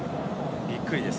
びっくりです。